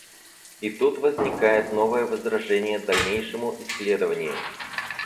И тут возникает новое возражение дальнейшему исследованию.